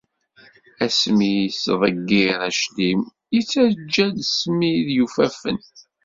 Asmi yettḍeggir aclim yettaǧǧa-d ssmid yufafen.